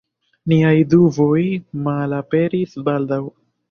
Niaj duboj malaperis baldaŭ.